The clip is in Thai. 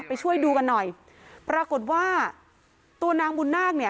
ไปช่วยดูกันหน่อยปรากฏว่าตัวนางบุญนาคเนี่ย